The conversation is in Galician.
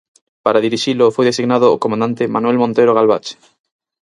Para dirixilo foi designado o comandante Manuel Montero Galvache.